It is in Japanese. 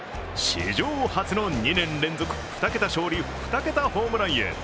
史上初の２年連続２桁勝利、２桁ホームランへ。